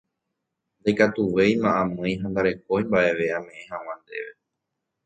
Ndaikatuvéima amýi ha ndarekói mba'eve ame'ẽ hag̃ua ndéve